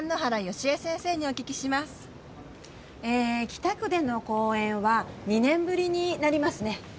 北区での公演は２年ぶりになりますね。